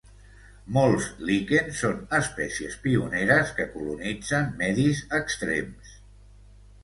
Molts líquens són espècies pioneres que colonitzen medis extrems.